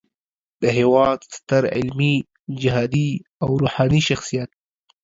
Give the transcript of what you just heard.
د هیواد ستر علمي، جهادي او روحاني شخصیت